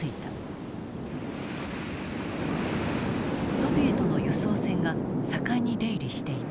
ソビエトの輸送船が盛んに出入りしていた。